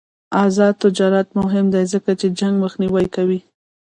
آزاد تجارت مهم دی ځکه چې جنګ مخنیوی کوي.